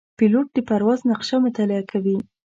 پیلوټ د پرواز نقشه مطالعه کوي.